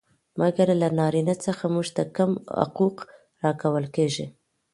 مګر له نارينه څخه موږ ته کم حقوق را کول کيږي.